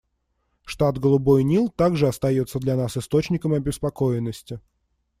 Штат Голубой Нил также остается для нас источником обеспокоенности.